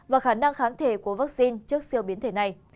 và khả năng kháng thể của vaccine trước siêu biến thể này